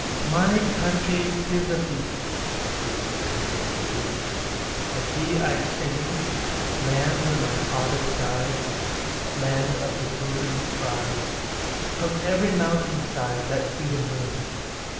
My country, 'tis of thee, Sweet land of liberty, Of thee I sing; Land where my fathers died, Land of the Pilgrims' pride; From every mountain side, Let freedom ring.